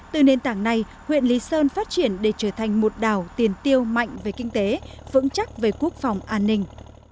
từ nền tảng này huyện lý sơn phát triển để trở thành một đảo tiền tiêu mạnh về kinh tế vững chắc về quốc phòng an ninh